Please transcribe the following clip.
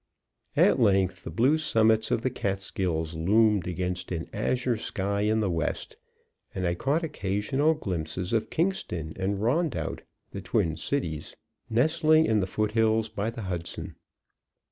At length the blue summits of the Catskills loomed against an azure sky in the west, and I caught occasional glimpses of Kingston and Rondout, the twin cities, nestling in the foothills by the Hudson.